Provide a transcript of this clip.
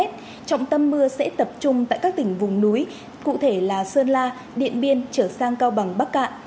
trọng tâm mưa sẽ tập trung tại các tỉnh vùng núi cụ thể là sơn la điện biên trở sang cao bằng bắc cạn